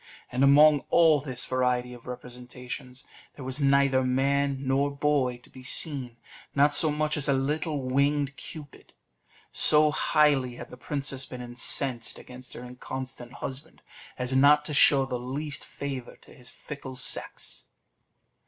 And among all this variety of representations, there was neither man nor boy to be seen not so much as a little winged Cupid: so highly had the princess been incensed against her inconstant husband, as not to show the least favour to his fickle sex.